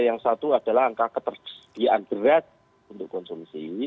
yang satu adalah angka ketersediaan beras untuk konsumsi